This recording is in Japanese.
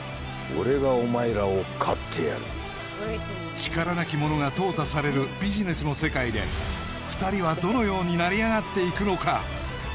俺がお前らを買ってやる力なき者が淘汰されるビジネスの世界で２人はどのように成り上がっていくのか？